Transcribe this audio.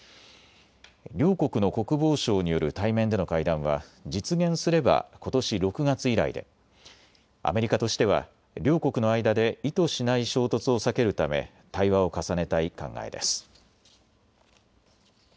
両国の国防相による対面での会談は実現すれば、ことし６月以来でアメリカとしては両国の間で意図しない衝突を避けるため対話を重ねたい考えです。